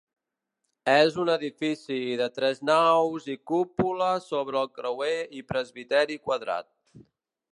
És un edifici de tres naus i cúpula sobre el creuer i presbiteri quadrat.